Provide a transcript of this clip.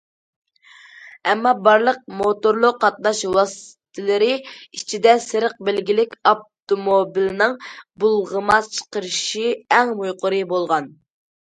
ئەمما بارلىق موتورلۇق قاتناش ۋاسىتىلىرى ئىچىدە، سېرىق بەلگىلىك ئاپتوموبىلنىڭ بۇلغىما چىقىرىشى ئەڭ يۇقىرى بولغان.